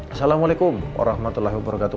assalamualaikum warahmatullahi wabarakatuh